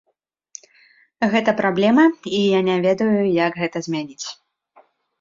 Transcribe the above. Гэта праблема, і я не ведаю, як гэта змяніць.